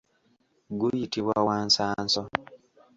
Guyitibwa wansanso.